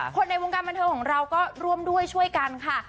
ในวงการบันเทิงของเราก็ร่วมด้วยช่วยกันค่ะ